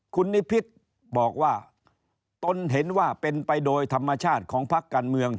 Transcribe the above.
คุณนิพิษบอกว่าตนเห็นว่าเป็นไปโดยธรรมชาติของพักการเมือง